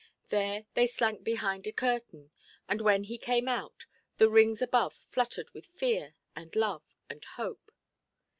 There they slank behind a curtain; and when he came out, the rings above fluttered with fear and love and hope.